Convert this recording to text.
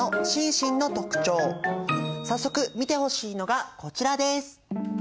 早速見てほしいのがこちらです。